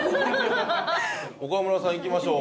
岡村さんいきましょう。